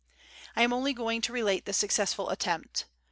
I am only going to relate the successful attempt.